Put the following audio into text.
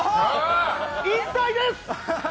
引退です！